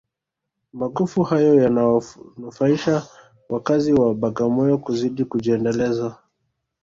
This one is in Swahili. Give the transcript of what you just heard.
magofu hayo yanawanufaisha wakazi wa bagamoyo kuzidi kujiendeleza